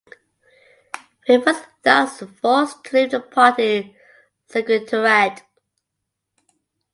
Ferri was thus forced to leave the party secretariat.